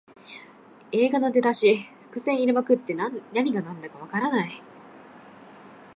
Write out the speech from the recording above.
映画の出だし、伏線入れまくって何がなんだかわからない